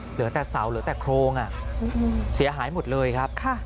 เหลือแต่เสาเหลือแต่โครงเสียหายหมดเลยครับ